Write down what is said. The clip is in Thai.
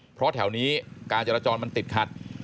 เพราะแถวนี้การจราจรมันติดขัด